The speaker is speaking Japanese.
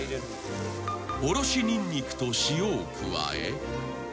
［おろしにんにくと塩を加え］